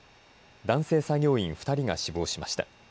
男性作業員２人が死亡しました。